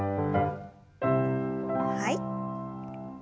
はい。